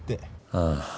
ああ。